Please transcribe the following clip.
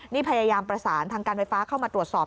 นี่พยายามประสานทางการไฟฟ้าเข้ามาตรวจสอบ